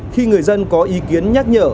khi người dân có ý kiến nhắc nhở